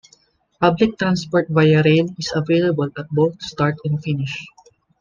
Public transport via rail is available at both start and finish.